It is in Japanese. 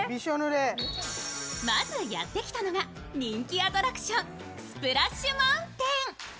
まずやってきたのが人気アトラクション、スプラッシュ・マウンテン。